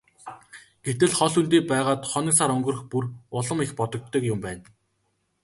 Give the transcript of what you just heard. Гэтэл хол хөндий байгаад хоног сар өнгөрөх бүр улам их бодогддог юм байна.